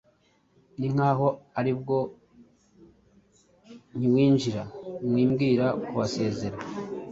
Ninkaho aribwo nkiwinjira mwimbwira kubasezera